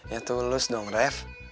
ya tulus dong rev